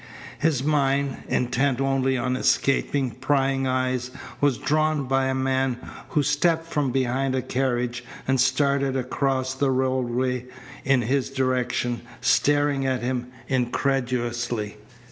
His mind, intent only on escaping prying eyes, was drawn by a man who stepped from behind a carriage and started across the roadway in his direction, staring at him incredulously.